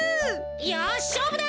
よししょうぶだ。